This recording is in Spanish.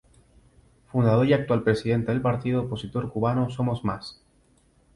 Fundador y actual presidente del partido opositor cubano Somos Más.